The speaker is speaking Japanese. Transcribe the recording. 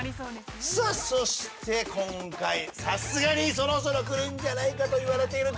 さあそして今回さすがにそろそろくるんじゃないかといわれているＤ。